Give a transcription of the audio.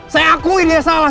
saya akui dia salah